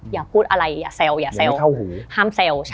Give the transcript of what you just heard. อย่าพูดอะไรอย่าแซล